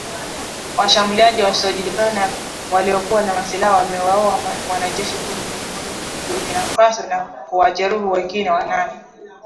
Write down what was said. Washambuliaji wasiojulikana waliokuwa na silaha wamewaua wanajeshi kumi na moja wa Burkina Faso na kuwajeruhi wengine wanane.